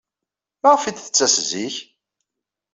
Maɣef ay d-tettas zik?